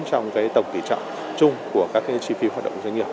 trong tổng tỷ trọng chung của các chi phí hoạt động doanh nghiệp